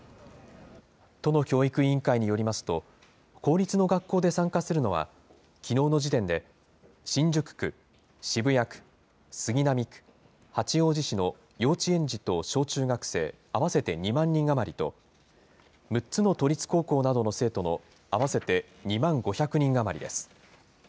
都の教育委員会によりますと、公立の学校で参加するのは、きのうの時点で新宿区、渋谷区、杉並区、八王子市の幼稚園児と小中学生合わせて２万人余りと、６つの都立高校などの生徒の合わせて２万５００人余りです。